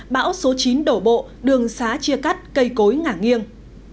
bão số chín đổ bộ đường xá chia cắt cây cối ngả nghiêng